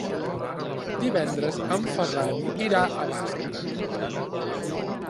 Divendres en Ferran irà a Bàscara.